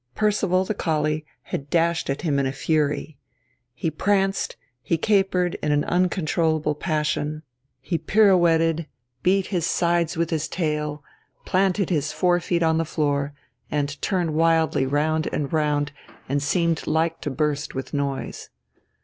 Percival, the collie, had dashed at him in a fury. He pranced, he capered in uncontrollable passion, he pirouetted, beat his sides with his tail, planted his forefeet on the floor, and turned wildly round and round, and seemed like to burst with noise.